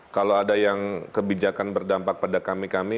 kalau ada yang kebijakan berdampak pada kami kami